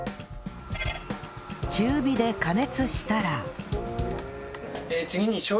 中火で加熱したら